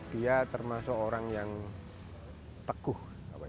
dia termasuk orang yang teguh